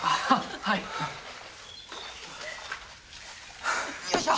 はい。よいしょ！